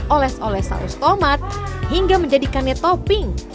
oles oles saus tomat hingga menjadikannya topping